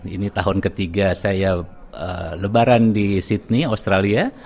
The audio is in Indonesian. ini tahun ketiga saya lebaran di sydney australia